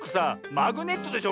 マグネットでしょ。